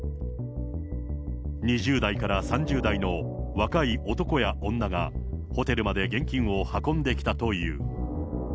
２０代から３０代の若い男や女が、ホテルまで現金を運んできたという。